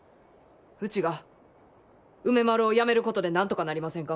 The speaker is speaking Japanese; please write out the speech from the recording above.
ウチが梅丸をやめることでなんとかなりませんか。